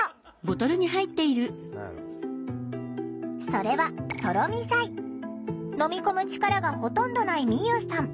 それは飲み込む力がほとんどないみゆうさん